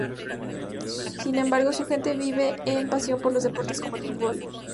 Sin embargo, su gente vive una pasión por los deportes, como el fútbol.